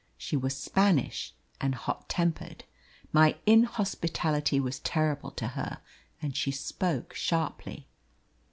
She was Spanish, and hot tempered. My inhospitality was terrible to her, and she spoke sharply.